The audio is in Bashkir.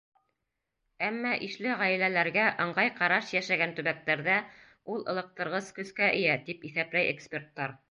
Әммә ишле ғаиләләргә ыңғай ҡараш йәшәгән төбәктәрҙә ул ылыҡтырғыс көскә эйә, тип иҫәпләй эксперттар.